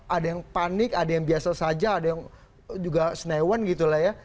ada yang panik ada yang biasa saja ada yang juga senewan gitu lah ya